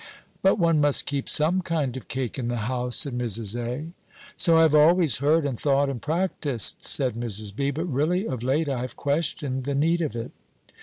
"But one must keep some kind of cake in the house," said Mrs. A. "So I have always heard, and thought, and practised," said Mrs. B.; "but really of late I have questioned the need of it."